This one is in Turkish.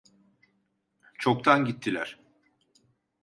Çoktan gittiler.